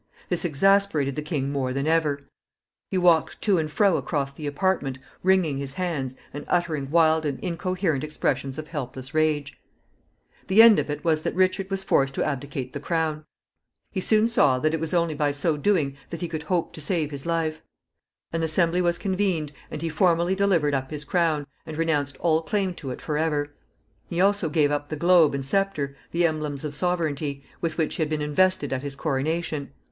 This exasperated the king more than ever. He walked to and fro across the apartment, wringing his hands, and uttering wild and incoherent expressions of helpless rage. [Illustration: PONTEFRACT CASTLE, KING RICHARD'S PRISON.] The end of it was that Richard was forced to abdicate the crown. He soon saw that it was only by so doing that he could hope to save his life. An assembly was convened, and he formally delivered up his crown, and renounced all claim to it forever. He also gave up the globe and sceptre, the emblems of sovereignty, with which he had been invested at his coronation.